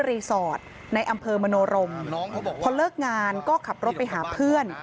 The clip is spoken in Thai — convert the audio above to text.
รีสอร์ทในอำเภอมโนรมพอเลิกงานก็ขับรถไปหาเพื่อน